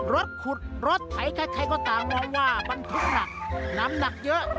รถขุดรถไถใครก็ต่างมองว่าบรรทุกหนักน้ำหนักเยอะ